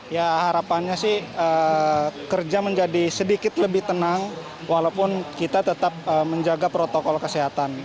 ya harapannya sih kerja menjadi sedikit lebih tenang walaupun kita tetap menjaga protokol kesehatan